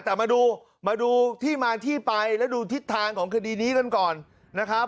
แต่มาดูมาดูที่มาที่ไปและดูทิศทางของคดีนี้กันก่อนนะครับ